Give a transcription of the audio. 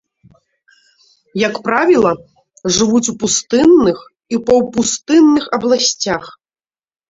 Як правіла, жывуць у пустынных і паўпустынных абласцях.